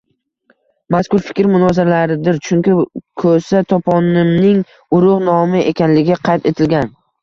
Mazkur fikr munozaralidir, chunki ko‘sa toponimining urug‘ nomi ekanligi qayd etilgan.